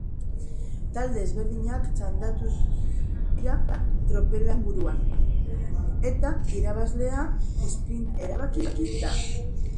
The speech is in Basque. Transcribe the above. Talde ezberdinak txandakatu dira tropelaren buruan, eta irabazlea esprintean erabaki da.